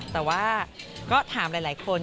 แต่ว่าก็ถามหลายคน